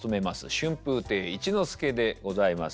春風亭一之輔でございます。